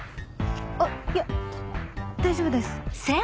あっいや大丈夫です。